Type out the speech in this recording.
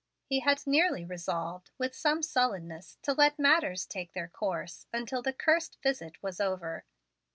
He had nearly resolved with some sullenness to let matters take their course until the "cursed visit was over."